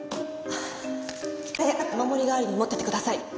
これよかったらお守り代わりに持っててください。